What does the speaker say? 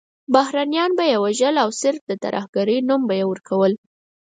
بهرنیان به یې وژل او صرف د ترهګرۍ نوم به یې ورکول.